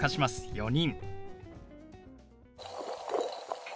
「４人」。